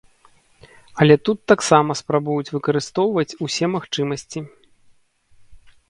Але тут таксама спрабуюць выкарыстоўваць усе магчымасці.